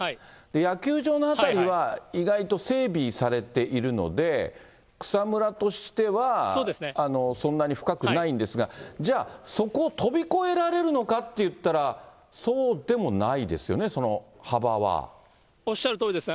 野球場の辺りは意外と整備されているので、草むらとしてはそんなに深くないんですが、じゃあ、そこを飛び越えられるのかっていったら、そうでもないですよね、おっしゃるとおりです。